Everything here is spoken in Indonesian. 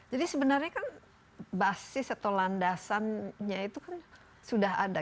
jadi sebenarnya kan basis atau landasannya itu kan sudah ada